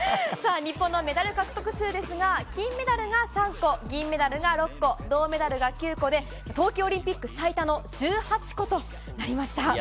日本のメダル獲得数ですが金メダルが３個銀メダルが６個銅メダルが９個で冬季オリンピック最多の１８個となりました。